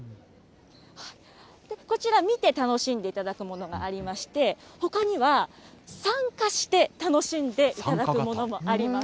こちら、見て楽しんでいただくものがありまして、ほかには参加して楽しんでいただくものもあります。